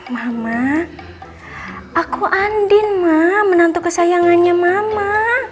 mama aku andin ma menantu kesayangannya mama